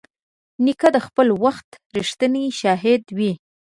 نیکه د خپل وخت رښتینی شاهد وي.